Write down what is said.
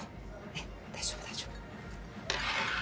ねっ大丈夫大丈夫。